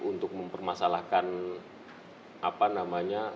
untuk mempermasalahkan apa namanya